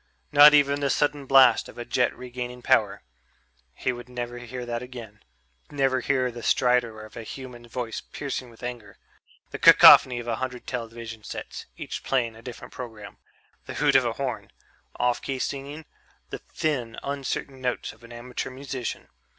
Not even the sudden blast of a jet regaining power ... he would never hear that again; never hear the stridor of a human voice piercing with anger; the cacophony of a hundred television sets, each playing a different program; the hoot of a horn; off key singing; the thin, uncertain notes of an amateur musician